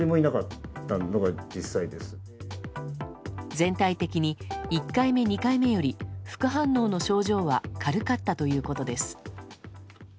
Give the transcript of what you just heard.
全体的に１回目、２回目より副反応の症状は軽かったということです。